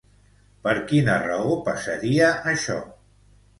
Per quina raó passaria això?